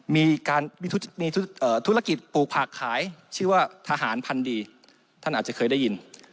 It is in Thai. มีการมีธุรกิจปลูกผักขายชื่อว่าทหารพันธุ์ดีท่านอาจจะเคยได้ยิน